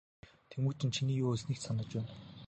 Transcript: Тэмүжин чиний юу хэлснийг ч санаж байна.